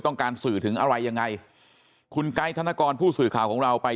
ต้องการสื่อถึงอะไรยังไงคุณไกด์ธนกรผู้สื่อข่าวของเราไป